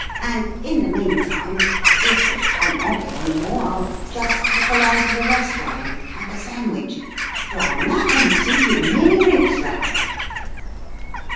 And in the meantime, if yer don't want me any more, I'll just pop along to the restaurant and have a sandwich, for I'm that empty you can hear me ribs rattle!"